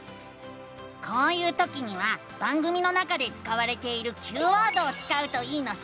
こういうときには番組の中で使われているＱワードを使うといいのさ！